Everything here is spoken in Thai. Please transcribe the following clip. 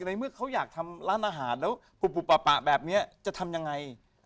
ในเมื่อเขาอยากทำร้านอาหารแล้วปุปะแบบนี้จะทำยังไง